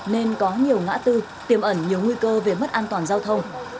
nên có nhiều ngã tư tiêm ẩn nhiều nguy cơ về mất an toàn giao thông